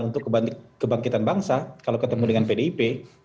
koalisi perjuangan untuk kebangkitan bangsa kalau ketemu dengan pdip